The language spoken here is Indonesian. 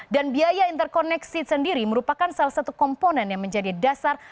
dan biaya interkoneksi sendiri merupakan salah satu komponen yang menjadi dasar